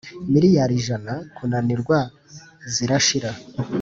miliyari ijana kunanirwa zirashira